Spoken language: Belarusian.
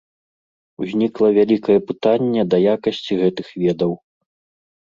Узнікла вялікае пытанне да якасці гэтых ведаў.